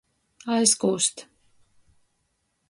Aizkūst.